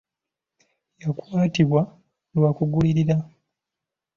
Yakwatibwa lwa kugulirira.